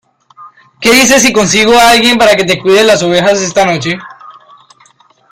¿ Qué dices si consigo a alguien para que cuide las ovejas esta noche?